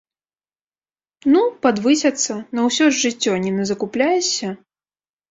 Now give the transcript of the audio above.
Ну, падвысяцца, на ўсё ж жыццё не назакупляешся!